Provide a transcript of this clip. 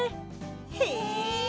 へえ！